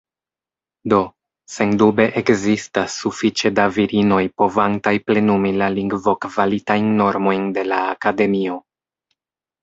Do, sendube ekzistas ”sufiĉe da virinoj” povantaj plenumi la lingvokvalitajn normojn de la Akademio.